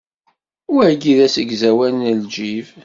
Wagi d asegzawal n lǧib.